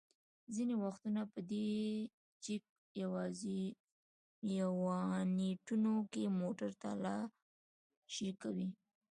ځینې وختونه په دې چېک پواینټونو کې موټر تالاشي کوي.